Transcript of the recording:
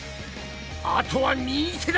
あとは右手だ！